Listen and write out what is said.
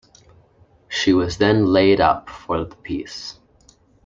She was then laid up for the peace.